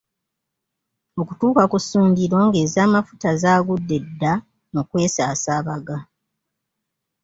Okutuuka ku ssundiro ng’ez’amafuta zaagudde dda mu kwesaasabaga.